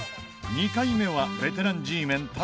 ２回目はベテランＧメン